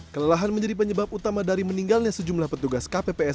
kelelahan menjadi penyebab utama dari meninggalnya sejumlah petugas kpps